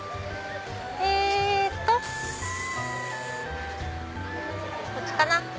えっとこっちかな。